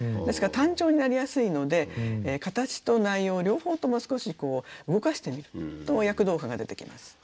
ですから単調になりやすいので形と内容両方とも少し動かしてみると躍動感が出てきます。